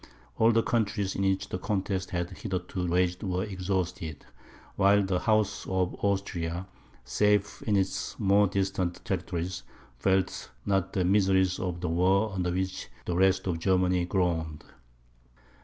All the countries in which the contest had hitherto raged were exhausted; while the House of Austria, safe in its more distant territories, felt not the miseries of the war under which the rest of Germany groaned.